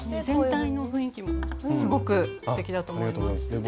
全体の雰囲気もすごくすてきだと思います。